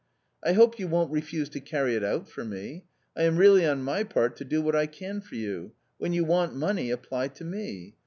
" I hope you won't refuse to carry it out for me. I am ready on my part to do what I can for you ; when you want money, apply to me.